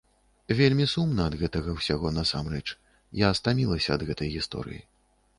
Вельмі сумна ад гэтага ўсяго насамрэч, я стамілася ад гэтай гісторыі.